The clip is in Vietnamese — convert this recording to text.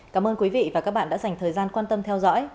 cảm ơn quý vị và các bạn đã dành thời gian quan tâm theo dõi